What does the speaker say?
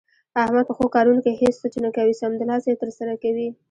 احمد په ښو کارونو کې هېڅ سوچ نه کوي، سمدلاسه یې ترسره کوي.